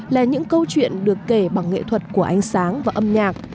là những câu chuyện được kể bằng nghệ thuật của ánh sáng và âm nhạc